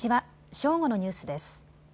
正午のニュースです。